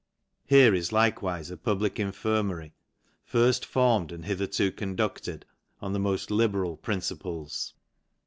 Here is likewife a public infirmar' firft formed and hitherto conducted on the moft ll beral principles.